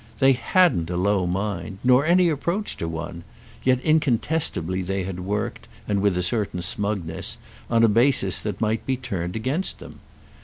They hadn't a low mind—nor any approach to one; yet incontestably they had worked, and with a certain smugness, on a basis that might be turned against them.